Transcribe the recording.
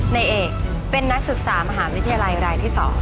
ในเอกเป็นนักศึกษามหาวิทยาลัยรายที่๒